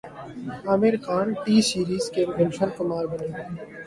عامر Khan T Series کے گلشن کمار بنیں گے